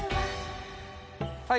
はい。